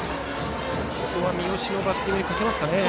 三好のバッティングにかけますかね。